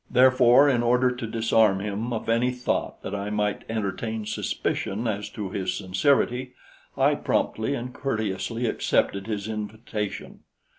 Therefore, in order to disarm him of any thought that I might entertain suspicion as to his sincerity, I promptly and courteously accepted his invitation.